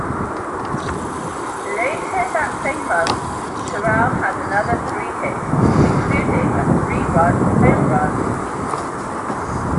Later that same month, Terrell had another three hits, including a three-run home run.